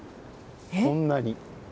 こんなに。